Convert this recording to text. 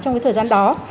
trong cái thời gian đó